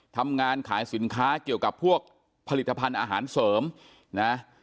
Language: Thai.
ทำงานขายสินค้าเกี่ยวกับพวกผลิตภัณฑ์อาหารเสริมนะ